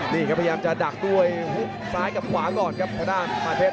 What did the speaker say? พยายามจะดักด้วยซ้ายกับขวาก่อนครับขนาดมาเผ็ด